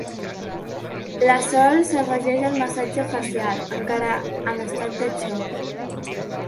La Sol s'afegeix al massatge facial, encara en estat de xoc.